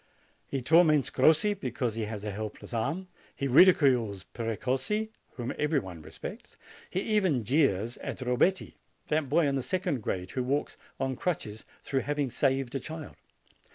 He torments Crossi because he has a helpless arm. He ridicules Precossi, whom every one respects. He even jeers at Robetti, that boy in the second grade, who walks on crutches, through having saved a child.